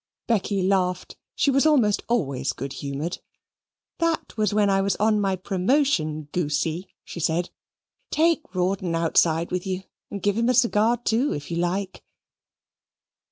Becky laughed; she was almost always good humoured. "That was when I was on my promotion, Goosey," she said. "Take Rawdon outside with you and give him a cigar too if you like."